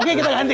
oke kita ganti